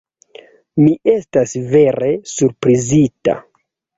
Mi estas vere surprizita!